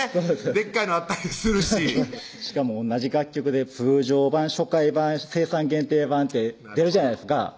でっかいのあったりするししかも同じ楽曲で通常盤・初回盤・生産限定盤って出るじゃないですか